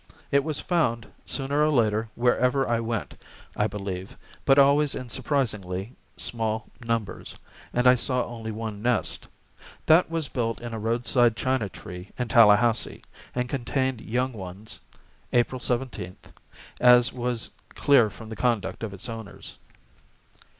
It was found, sooner or later, wherever I went, I believe, but always in surprisingly small numbers, and I saw only one nest. That was built in a roadside china tree in Tallahassee, and contained young ones (April 17), as was clear from the conduct of its owners.